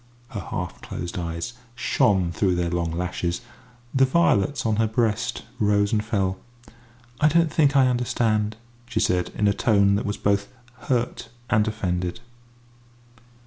Her half closed eyes shone through their long lashes; the violets on her breast rose and fell. "I don't think I understand," she said, in a tone that was both hurt and offended.